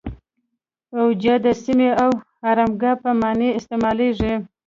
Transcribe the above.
اویجه د سیمې او آرامګاه په معنی استعمالیږي.